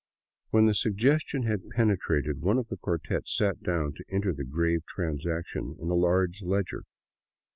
When the suggestion had penetrated, one of the quartet sat down to enter the grave transaction in a large ledger.